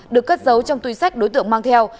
được cất giấu trong túi sách đối tượng mang theo